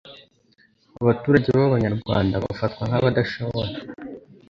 abaturagye b'Abanya-Rwanda bafatwa nk'abadashoboye.